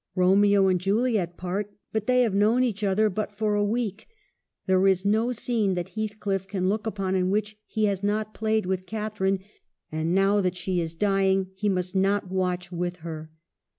Romeo. and Juliet part ; but they have known each other but for a week. There is no scene that Heathcliff can look upon in which he has not played with Catharine : and, now that she is dying, he must not watch with her.